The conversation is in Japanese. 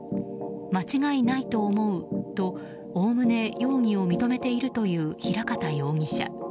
間違いないと思うとおおむね容疑を認めているという平方容疑者。